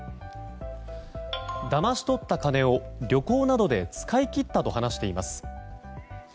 だまし取った金を旅行などで使い切ったと話しています。